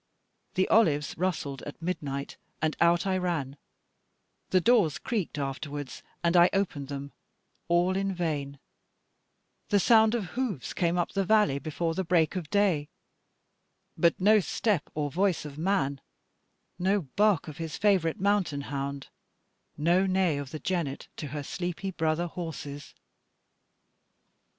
The olives rustled at midnight, and out I ran; the doors creaked afterwards, and I opened them, all in vain; the sound of hoofs came up the valley before the break of day; but no step or voice of man, no bark of his favourite mountain hound, no neigh of the jennet to her sleepy brother horses.